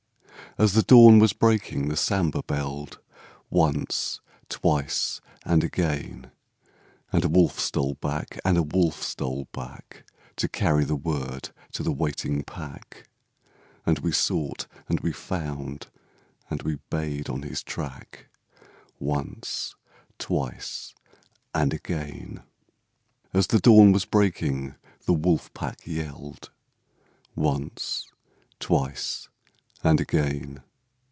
As the dawn was breaking the Sambhur belled Once, twice and again! And a wolf stole back, and a wolf stole back To carry the word to the waiting pack, And we sought and we found and we bayed on his track Once, twice and again! As the dawn was breaking the Wolf Pack yelled Once, twice and again!